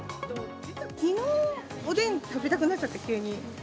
きのう、おでん食べたくなっちゃって、急に。